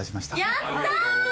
やった！